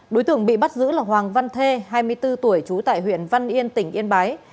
đối tượng bị bắt giữ là hoàng văn thê hai mươi bốn tuổi trú tại huyện văn yên tỉnh yên bái